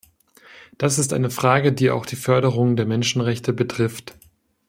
Das ist eine Frage, die auch die Förderung der Menschenrechte betrifft.